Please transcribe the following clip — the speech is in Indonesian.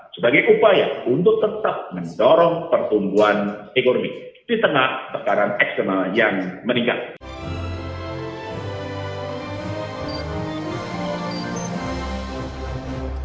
sebagai upaya untuk tetap mendorong pertumbuhan ekonomi di tengah tekanan eksternal yang meningkat